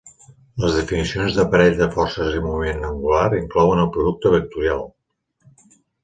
Les definicions de parell de forces i moment angular inclouen el producte vectorial.